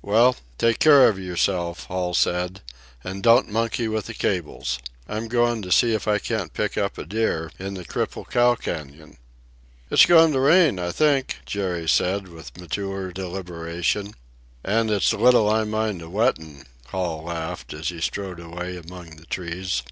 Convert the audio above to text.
"Well, take care of yourself," Hall said, "and don't monkey with the cables. I'm goin' to see if I can't pick up a deer in the Cripple Cow Ca├▒on." "It's goin' to rain, I think," Jerry said, with mature deliberation. "And it's little I mind a wettin'," Hall laughed, as he strode away among the trees.